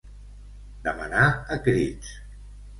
Demanar a crits.